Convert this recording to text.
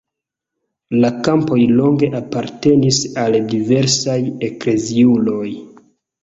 La kampoj longe apartenis al diversaj ekleziuloj.